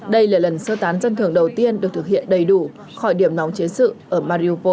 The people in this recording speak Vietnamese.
đây là lần sơ tán dân thường đầu tiên được thực hiện đầy đủ khỏi điểm nóng chiến sự ở mariopo